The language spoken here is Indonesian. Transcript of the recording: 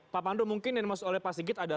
pak pandu mungkin yang dimaksud oleh pak sigit adalah